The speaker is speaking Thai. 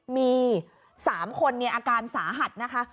มี๓คนอาการสาหัสนะคะ